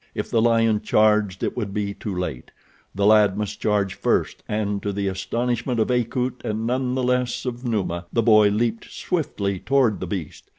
If the lion charged it would be too late—the lad must charge first, and to the astonishment of Akut and none the less of Numa, the boy leaped swiftly toward the beast.